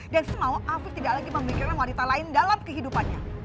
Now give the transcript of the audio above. dan semau afiq tidak lagi memikirkan warita lain dalam kehidupannya